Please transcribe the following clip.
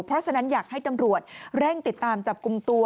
เพราะฉะนั้นอยากให้ตำรวจเร่งติดตามจับกลุ่มตัว